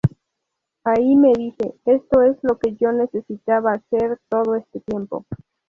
Ahí me dije: ¡esto es lo que yo necesitaba hacer todo este tiempo!".